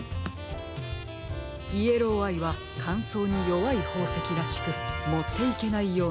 イエローアイはかんそうによわいほうせきらしくもっていけないようなので。